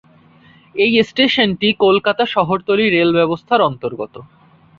এই স্টেশনটি কলকাতা শহরতলি রেল ব্যবস্থার অন্তর্গত।